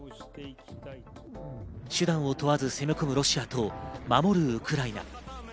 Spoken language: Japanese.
手段を問わず攻め込むロシアと守るウクライナ。